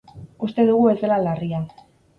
Uste dugu ez dela larria.